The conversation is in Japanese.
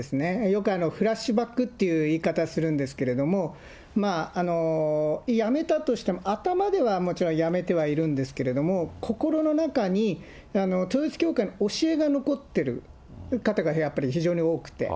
よくフラッシュバックっていう言い方するんですけれども、やめたとしても、頭ではもちろんやめてはいるんですけども、心の中に統一教会の教えが残ってる方がやっぱり非常に多くて。